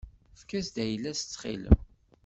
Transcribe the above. Efk-as-d ayla-s ttxil-m.